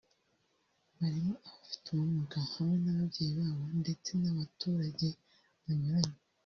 barimo abafite ubu bumuga hamwe n’ababyeyi babo ndetse n’abaturage banyuranye